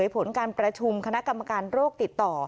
ประชุมคุมโรคติดต่อ